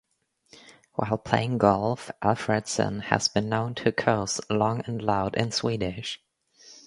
While playing golf, Alfredsson has been known to curse long and loud in Swedish.